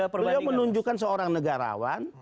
beliau menunjukkan seorang negarawan